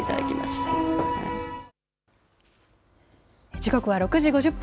時刻は６時５０分。